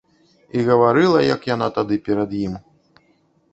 І гаварыла як яна тады перад ім!